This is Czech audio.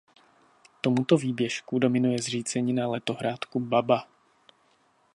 Tomuto výběžku dominuje zřícenina letohrádku Baba.